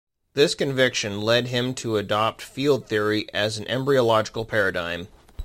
This conviction led him to adopt field theory as an embryological paradigm.